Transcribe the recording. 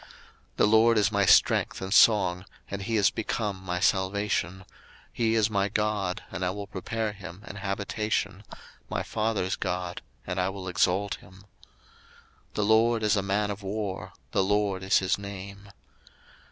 02:015:002 The LORD is my strength and song, and he is become my salvation: he is my God, and I will prepare him an habitation; my father's God, and I will exalt him. 02:015:003 The LORD is a man of war: the LORD is his name.